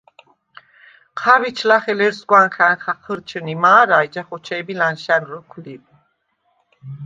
ჴავიჩ ლახე ლერსგვანხა̈ნ ხაჴჷრჩჷნი მა̄რა, ეჯა ხოჩე̄მი ლა̈ნშა̈ნ როქვ ლი.